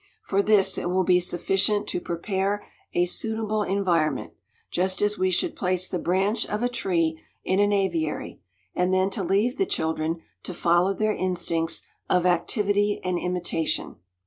For this it will be sufficient to prepare "a suitable environment," just as we should place the branch of a tree in an aviary, and then to leave the children to follow their instincts of activity and imitation.